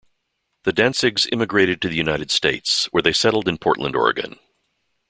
The Dantzigs immigrated to the United States, where they settled in Portland, Oregon.